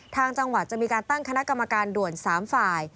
ทางจังหวัดจะมีการตั้งคณะกรรมการด่วน๓ฝ่าย